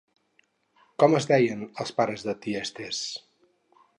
Com es deien els pares de Tiestes?